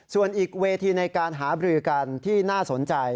ส่วนอีกเวทีในการหาบรือกันที่น่าสนใจ